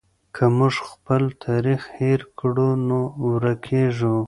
که موږ خپل تاریخ هېر کړو نو ورکېږو.